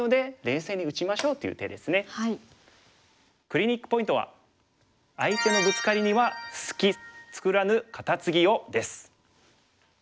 クリニックポイントは相手のブツカリには隙作らぬカタツギをです。